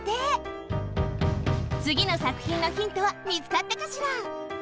つぎのさくひんのヒントはみつかったかしら！？